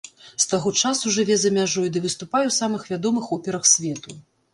З таго часу жыве за мяжой ды выступае ў самых вядомых операх свету.